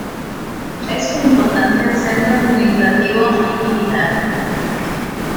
Es un importante centro administrativo y militar.